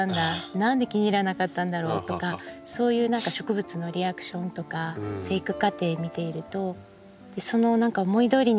何で気に入らなかったんだろうとかそういう何か植物のリアクションとか生育過程見ているとその思いどおりにいかないのが面白い。